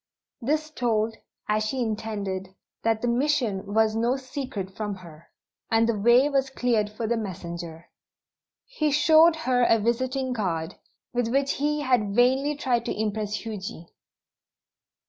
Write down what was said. This told, as she intended, that the "mission" was no secret from her; and the way was cleared for the messenger. He showed her a visiting card, with which he had vainly tried to impress Huji.